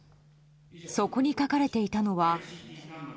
そこに書かれていたのは。